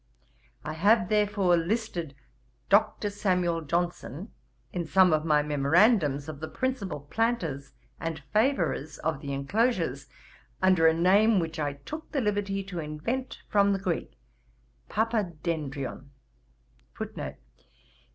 I have, therefore, listed Dr. Samuel Johnson in some of my memorandums of the principal planters and favourers of the enclosures, under a name which I took the liberty to invent from the Greek, Papadendrion.